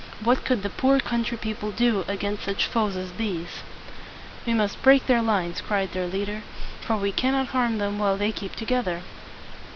What could the poor country people do against such foes as these? "We must break their lines," cried their leader; "for we cannot harm them while they keep together."